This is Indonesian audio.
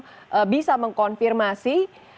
kepolisian masih belum bisa mengkonfirmasi